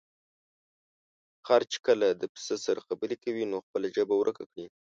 خر چې کله د پسه سره خبرې کوي، نو خپله ژبه ورکه کړي.